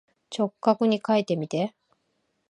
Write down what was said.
直角にかいてみて。